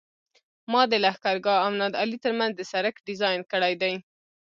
ما د لښکرګاه او نادعلي ترمنځ د سرک ډیزاین کړی دی